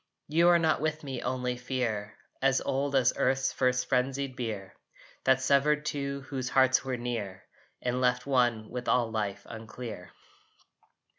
You are not with me only fear, As old as earth's first frenzied bier That severed two whose hearts were near, And left one with all Life unclear.